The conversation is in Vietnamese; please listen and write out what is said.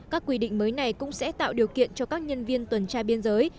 các quy định mới này cũng sẽ tạo điều kiện cho các nhân viên tuần tra biên giới